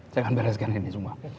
jangan bereskan ini semua